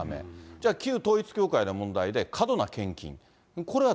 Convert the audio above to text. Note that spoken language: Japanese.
じゃあ旧統一教会の問題で、過度な献金。